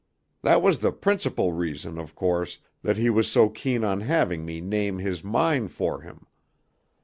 That was the principal reason, of course, that he was so keen on having me name his mine for him.